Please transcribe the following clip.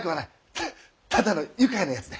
フッただの愉快なやつで。